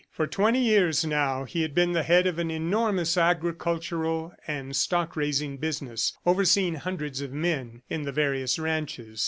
For twenty years, now, he had been the head of an enormous agricultural and stock raising business, overseeing hundreds of men in the various ranches.